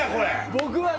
僕は。